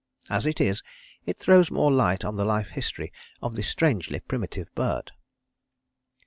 As it is, it throws more light on the life history of this strangely primitive bird....